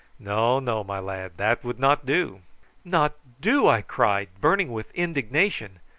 "No, no, my lad, that would not do." "Not do!" I cried, burning with indignation.